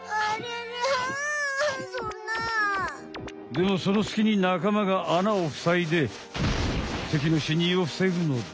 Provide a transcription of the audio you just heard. でもそのすきになかまがあなをふさいで敵のしんにゅうをふせぐのだ。